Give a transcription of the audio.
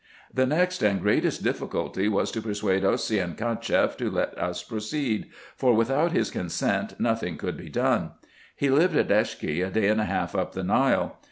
The next and greatest difficulty was to persuade Osseyn CachefF to let us proceed ; for without his consent nothing could be done. He lived at Eshke, a day and half up the Nile.